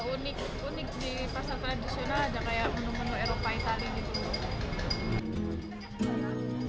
unik unik di pasar tradisional ada kayak menu menu eropa itali gitu